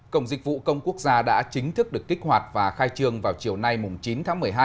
cổng dịch vụ công quốc gia đã chính thức được kích hoạt và khai trương vào chiều nay chín tháng một mươi hai